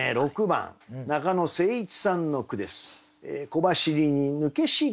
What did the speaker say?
６番中野誠一さんの句です。